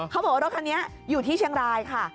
เขาบอกว่ารถคันนี้อยู่ที่เชียงรายค่ะ